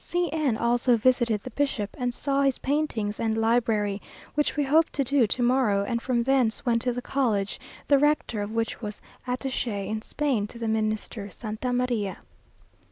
C n also visited the bishop, and saw his paintings and library, which we hope to do to morrow; and from thence went to the college, the rector of which was attache in Spain to the Minister Santa María.